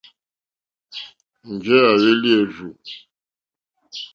Njɛ̂ à hwélí èrzù.